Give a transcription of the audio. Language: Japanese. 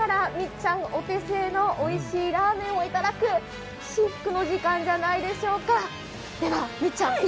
っちゃんお手製のおいしいラーメンを頂く至福の時間じゃないでしょうか。